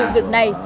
vụ việc này